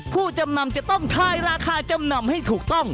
ผู้จำนำจะต้องทายราคาจำนำให้ถูกต้อง